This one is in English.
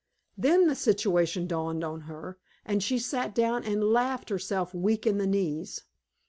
Then the situation dawned on her, and she sat down and laughed herself weak in the knees.